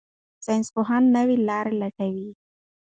ساينسپوهان نوې لارې لټوي.